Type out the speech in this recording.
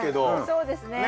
そうですね。